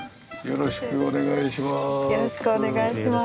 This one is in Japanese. よろしくお願いします。